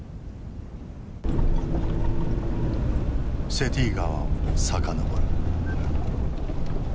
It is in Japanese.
セティ川を遡る。